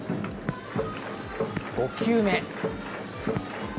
５球目。